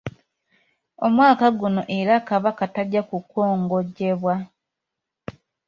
Omwaka guno era Kabaka tajja kukongojjebwa.